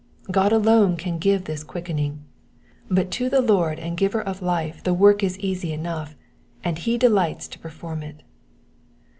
God alone can give this quickening ; but to the Lord and giver of life the work is easy enough, and be delights to perform it.